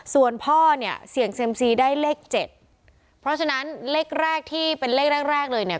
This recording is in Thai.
ส่วนพ่อเนี่ยเสี่ยงเซ็มซีได้เลขเจ็ดเพราะฉะนั้นเลขแรกที่เป็นเลขแรกแรกเลยเนี่ย